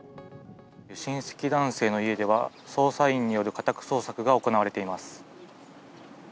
親戚男性の家では、捜査員による家宅捜索が行われています。